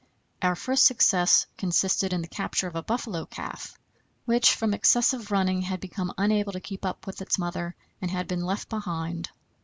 Our first success consisted in the capture of a buffalo calf, which from excessive running had become unable to keep up with its mother, and had been left behind.